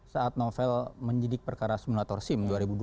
saat novel menyidik perkara simulator sim dua ribu dua puluh